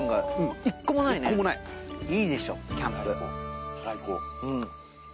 いいでしょキャンプ。